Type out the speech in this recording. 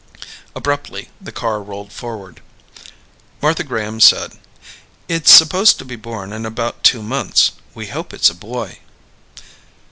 Abruptly, the car rolled forward. Martha Graham said, "It's supposed to be born in about two months. We hope it's a boy."